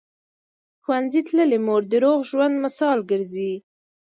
ښوونځې تللې مور د روغ ژوند مثال ګرځي.